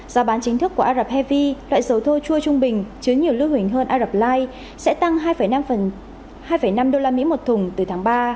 giá bán chính thức của ả rập hevie loại dầu thô chua trung bình chứa nhiều lưu hình hơn ả rập lai sẽ tăng hai năm hai năm usd một thùng từ tháng ba